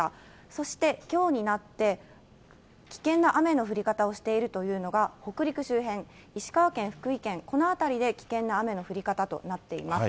そしてきょうになって、危険な雨の降り方をしているというのが、北陸周辺、石川県、福井県、この辺りで危険な雨の降り方となっています。